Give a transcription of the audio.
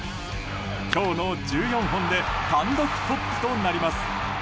今日の１４本で単独トップとなります。